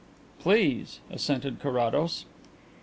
"Please," assented Carrados.